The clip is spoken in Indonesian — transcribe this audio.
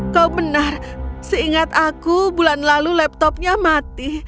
kau benar seingat aku bulan lalu laptopnya mati